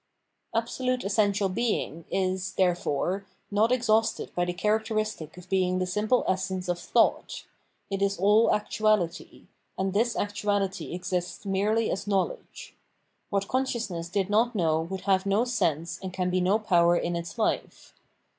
Absolute essential Being is, therefore, not exhausted by the characteristic of being the simple essence of thought; it is aU actuality, and this actuality exists merely as knowledge. What consciousness did not know would have no sense and can be no power in its life.